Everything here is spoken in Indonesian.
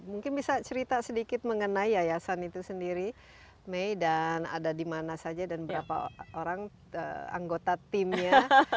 mungkin bisa cerita sedikit mengenai yayasan itu sendiri may dan ada di mana saja dan berapa orang anggota timnya